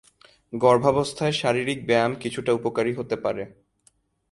গর্ভাবস্থায় শারীরিক ব্যায়াম কিছুটা উপকারী হতে পারে।